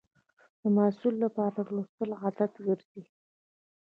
د محصل لپاره لوستل عادت ګرځي.